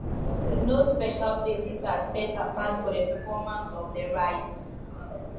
No special places are set apart for the performance of the rites.